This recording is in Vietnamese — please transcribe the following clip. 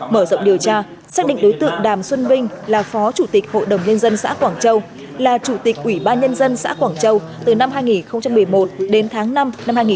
mở rộng điều tra xác định đối tượng đàm xuân vinh là phó chủ tịch hội đồng nhân dân xã quảng châu là chủ tịch ủy ban nhân dân xã quảng châu từ năm hai nghìn một mươi một đến tháng năm năm hai nghìn một mươi chín